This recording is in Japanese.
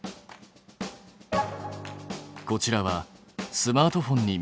こちらはスマートフォンに見立てた回路。